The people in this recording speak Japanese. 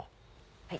はい。